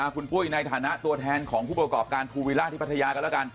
คุณปุ้ยในฐานะตัวแทนของผู้ประกอบการภูวิล่าที่พัทยากันแล้วกัน